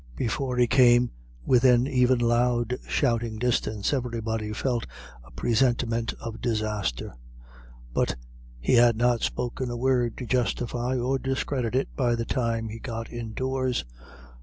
Before he came within even loud shouting distance, everybody felt a presentiment of disaster; but he had not spoken a word to justify or discredit it by the time he got indoors.